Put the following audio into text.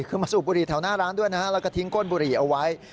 คือมาสูบบุหรี่แถวหน้าร้านด้วยนะฮะแล้วก็ทิ้งก้นบุหรี่เอาไว้